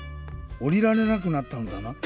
おりられなくなったのだな。